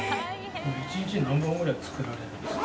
１日に何本ぐらい作られていますか？